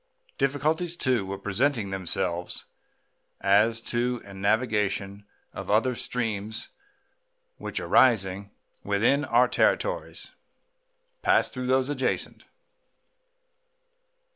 Difficulties, too, were presenting themselves as to the navigation of other streams which, arising within our territories, pass through those adjacent.